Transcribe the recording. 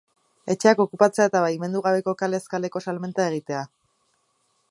Etxeak okupatzea eta baimendu gabeko kalez kaleko salmenta egitea.